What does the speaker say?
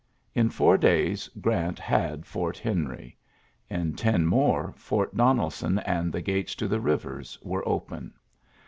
In four days. Grant had Fort Henry. In ten more, Fort Donelson and the gates to the rivers were open.